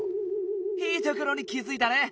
いいところに気づいたね！